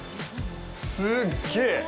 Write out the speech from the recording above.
すっげえ。